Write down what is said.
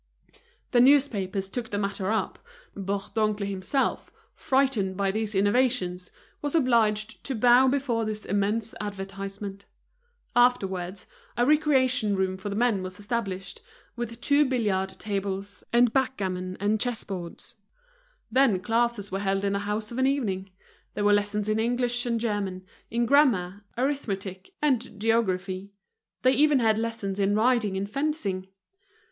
The newspapers took the matter up, Bourdoncle himself, frightened by these innovations, was obliged to bow before this immense advertisement. Afterwards, a recreation room for the men was established, with two billiard tables and backgammon and chess boards. Then classes were held in the house of an evening; there were lessons in English and German, in grammar, arithmetic, and geography; they even had lessons in riding and fencing.